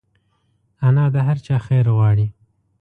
انا د هر چا خیر غواړي